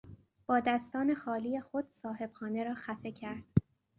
با دستان خالی خود صاحبخانه را خفه کرد.